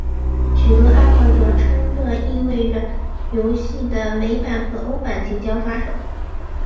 许多爱好者称这意味这游戏的美版和欧版即将发售。